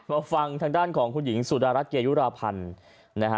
เพราะฟังทางด้านของคุณหญิงสุดาลัดเกยุราพันธ์